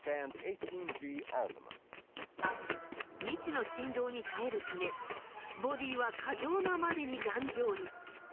未知の振動に耐えるためボディーは過剰なまでに頑丈に。